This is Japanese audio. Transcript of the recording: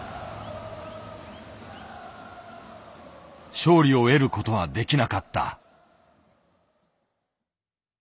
勝利を得る事はできなかった。